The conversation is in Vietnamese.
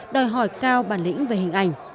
đòi hỏi cao bản lĩnh về hình ảnh